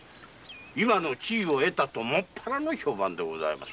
今の地位を得たともっぱらの評判です。